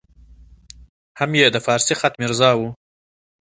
هم یې د فارسي خط میرزا وو.